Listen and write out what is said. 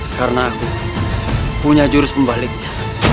karena aku punya jurus pembaliknya